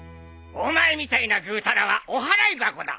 お前みたいなぐうたらはお払い箱だ！